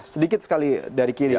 sedikit sekali dari kiri